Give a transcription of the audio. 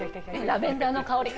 ラベンダーの香り。